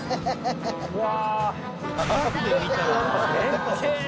うわ。